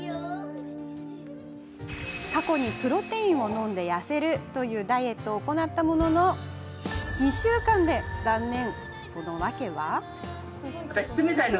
過去にプロテインを飲んで痩せるというダイエットを行ったものの２週間で断念。